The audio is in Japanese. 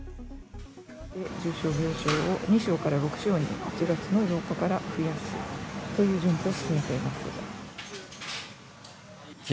重症病床を２床から６床に、８月の８日から増やすという準備を進めています。